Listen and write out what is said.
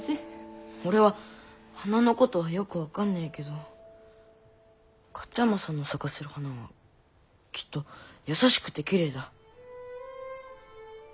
俺は花のことよく分かんねえけど勝山さんの咲かせる花はきっと優しくてきれいだ。